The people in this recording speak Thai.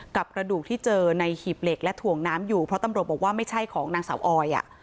กระดูกที่เจอในหีบเหล็กและถ่วงน้ำอยู่เพราะตำรวจบอกว่าไม่ใช่ของนางสาวออยอ่ะ